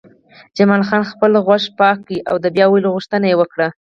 جمال خان خپل غوږ پاک کړ او د بیا ویلو غوښتنه یې وکړه